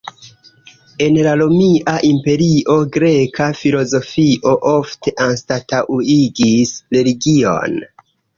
En la romia imperio, greka filozofio ofte anstataŭigis religion.